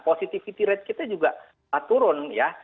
positivity rate kita juga turun ya